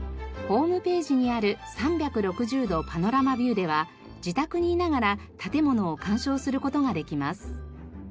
ホームページにある３６０度パノラマビューでは自宅にいながら建物を鑑賞する事ができます。